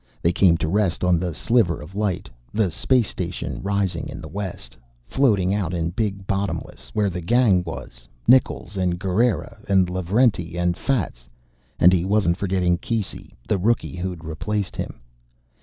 They came to rest on the sliver of light the space station rising in the west, floating out in Big Bottomless where the gang was Nichols and Guerrera and Lavrenti and Fats. And he wasn't forgetting Keesey, the rookie who'd replaced him.